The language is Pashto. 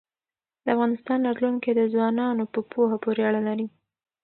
د افغانستان راتلونکی د ځوانانو په پوهه پورې اړه لري.